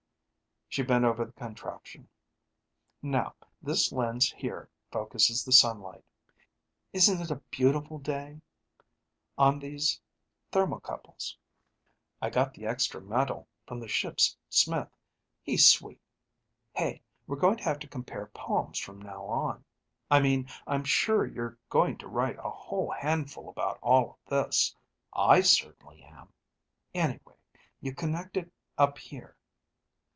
She bent over the contraption. "Now, this lens here focuses the sunlight isn't it a beautiful day on these thermocouples. I got the extra metal from the ship's smith. He's sweet. Hey, we're going to have to compare poems from now on. I mean I'm sure you're going to write a whole handful about all of this. I certainly am. Anyway, you connect it up here."